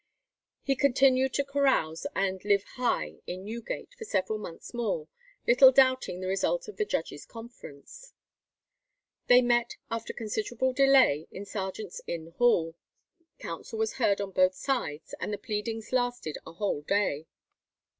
[267:1] He continued to carouse and live high in Newgate for several months more, little doubting the result of the judges' conference. They met after considerable delay in Sergeant's Inn Hall, counsel was heard on both sides, and the pleadings lasted a whole day.